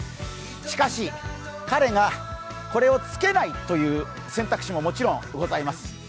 しかし彼がこれをつけないという選択肢も、もちろんございます。